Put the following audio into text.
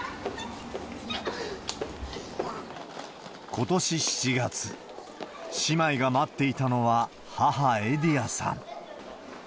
ことし７月、姉妹が待っていたのは母、エディヤさん。